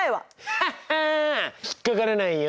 ハッハン引っ掛からないよ。